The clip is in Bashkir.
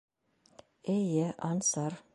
Эйе, Ансар.